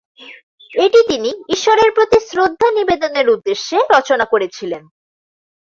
এটি তিনি ঈশ্বরের প্রতি শ্রদ্ধা নিবেদনের উদ্দেশে রচনা করেছিলেন।